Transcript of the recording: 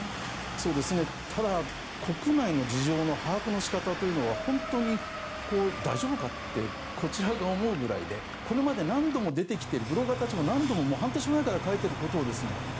そうですね、ただ国内の事情の把握のし方は本当に大丈夫か？ってこちらが思うぐらいでこれまで何度もブロガーたちが半年前から書いていることを、え？